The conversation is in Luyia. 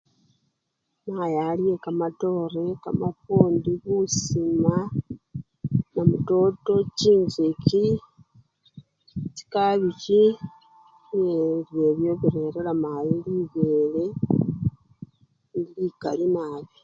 Mayi alya kamatore, kamapwondi, busima, namutoto, chincheki, chikabichi, bilyo ebyo birerera mayi libele likali nabii.